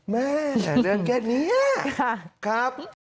แม่แต่เรื่องแค่นี้ครับ